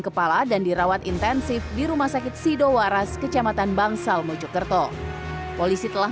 kepala dan dirawat intensif di rumah sakit sidowaras kecamatan bangsal mojokerto polisi telah